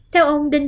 theo ông đinh vĩnh